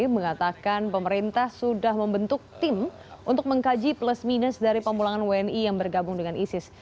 mengatakan pemerintah sudah membentuk tim untuk mengkaji plus minus dari pemulangan wni yang bergabung dengan isis